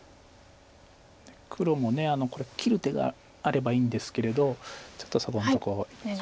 黒もこれ切る手があればいいんですけれどちょっとそこのとこいいでしょうか。